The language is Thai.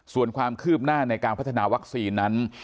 ส่วนความคืบหน้าในการพัฒนาวัคซีนนั้น